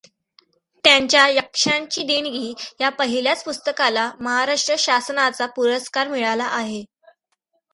त्यांच्या यक्षांची देणगी या पहिल्याच पुस्तकाला महाराष्ट्र शासनाचा पुरस्कार मिळाला आहे.